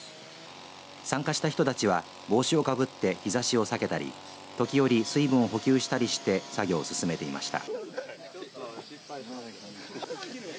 参加した人たちは帽子をかぶって日ざしを避けたり時折、水分を補給したりして作業を進めていました。